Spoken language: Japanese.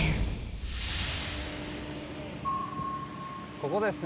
ここですね。